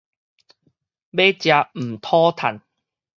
欲食毋討趁